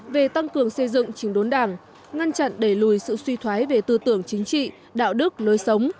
về tăng cường xây dựng trình đốn đảng ngăn chặn đẩy lùi sự suy thoái về tư tưởng chính trị đạo đức lối sống